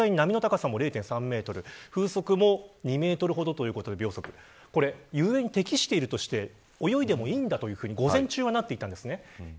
実際に波の高さも０．３メートル風速も２メートルほどということで遊泳に適しているとして泳いでいいんだと午前中はなっていました。